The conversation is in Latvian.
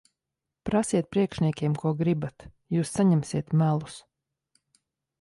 Prasiet priekšniekiem, ko gribat. Jūs saņemsiet melus.